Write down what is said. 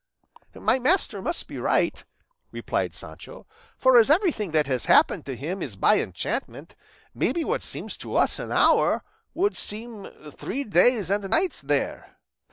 "My master must be right," replied Sancho; "for as everything that has happened to him is by enchantment, maybe what seems to us an hour would seem three days and nights there."